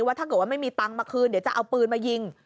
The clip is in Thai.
ถ้าเกิดว่าไม่มีตังค์มาคืนเดี๋ยวจะเอาปืนมายิง